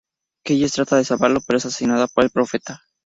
Keyes trata de salvarlo, pero es asesinada por el Profeta.